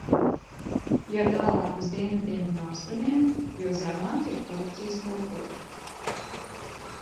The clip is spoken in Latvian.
Jo tālāk uz dienvidiem un austrumiem, jo zemāka ir korupcijas kultūra.